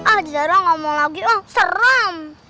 ah zara gak mau lagi ah serem